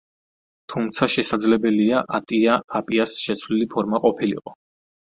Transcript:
თუმცა, შესაძლებელია, ატია „აპიას“ შეცვლილი ფორმა ყოფილიყო.